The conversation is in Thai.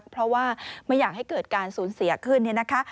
เพราะว่าไม่อยากให้เกิดการศูนย์เสียขึ้น